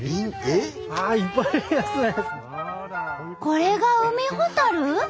これがウミホタル？